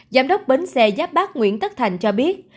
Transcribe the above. giám đốc bến xe giáp bát nguyễn tất thành cho biết